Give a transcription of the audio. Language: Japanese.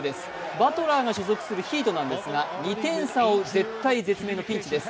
バトラーが所属するヒートなんですけど、２点差を追う絶体絶命のピンチです